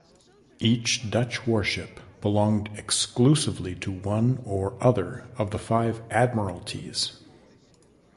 Each Dutch warship belonged exclusively to one or other of the five Admiralties.